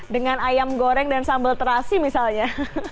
dengan ayam goreng dan sambal terasi misalnya